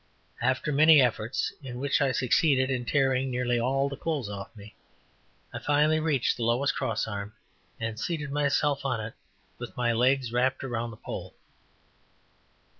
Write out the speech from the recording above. After many efforts, in which I succeeded in tearing nearly all the clothes off of me, I finally reached the lowest cross arm, and seated myself on it with my legs wrapped around the pole.